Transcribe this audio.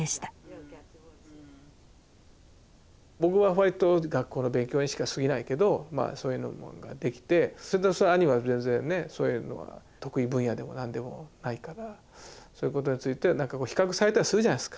僕はわりと学校の勉強にしかすぎないけどまあそういうのができてそれで兄は全然ねそういうのは得意分野でも何でもないからそういうことについてなんか比較されたりするじゃないですか。